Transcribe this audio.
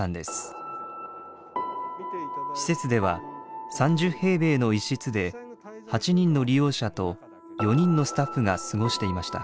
施設では３０平米の一室で８人の利用者と４人のスタッフが過ごしていました。